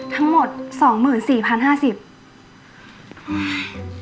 ทั้งหมดสองหมื่นสี่พันห้าสิบอืม